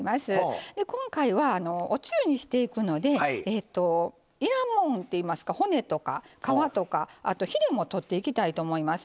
今回はおつゆにしていくのでいらんもんといいますか骨とか皮とかあとひれも取っていきたいと思います。